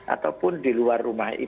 ataupun di luar rumah